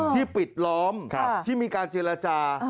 ที่ปิดล้อมที่มีการเจรจา